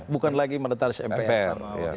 bukan lagi mendataris mpr